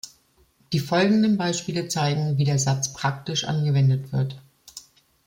Die folgenden Beispiele zeigen, wie der Satz praktisch angewendet wird.